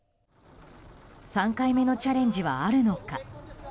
３回目のチャレンジはあるのか。